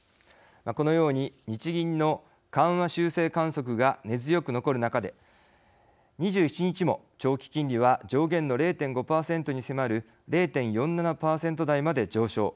このように日銀の緩和修正観測が根強く残る中で２７日も長期金利は上限の０．５％に迫る０．４７％台まで上昇。